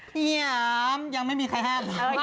เฮียมยังไม่มีใครห้าม